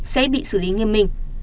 sẽ bị xử lý nghiêm minh